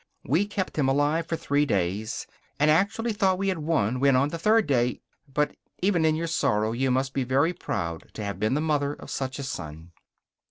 We kept him alive for three days, and actually thought we had won when on the third day... But even in your sorrow you must be very proud to have been the mother of such a son....